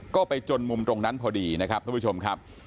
ก็ไปจนมุมตรงนั้นพอดีนะครับทุกผู้ชมครับ